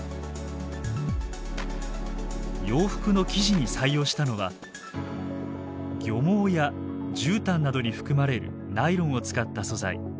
洋服の生地に採用したのは漁網や絨毯などに含まれるナイロンを使った素材。